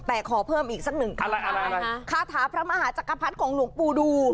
แต่ขอเพิ่มอีกสักหนึ่งคาถาพระมหาจักรพรรดิของหลวงปู่ดู